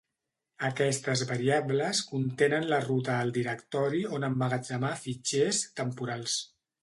Aquestes variables contenen la ruta al directori on emmagatzemar fitxers temporals.